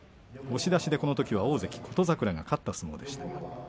押し出しで、このときは大関琴櫻が勝った相撲でした。